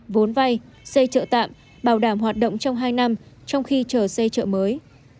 vốn vay xây trợ tạm bảo đảm hoạt động trong hai năm trong khi chờ xây chợ mới